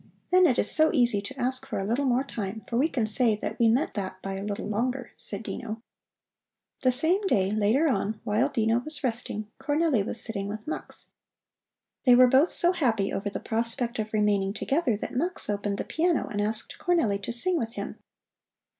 Then it is so easy to ask for a little more time, for we can say that we meant that by a little longer," said Dino. The same day, later on, while Dino was resting, Cornelli was sitting with Mux. They were both so happy over the prospect of remaining together that Mux opened the piano and asked Cornelli to sing with him.